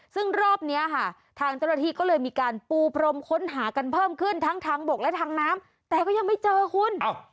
ซึ่งรอบนี้ค่ะทางเจ้าหน้าที่ก็เลยมีการปูพรมค้นหากันเพิ่มขึ้นทั้งทางบกและทางน้ำแต่ก็ยังไม่เจอคุณ